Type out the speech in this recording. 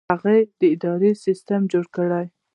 هغه اداري سیستم جوړ کړ.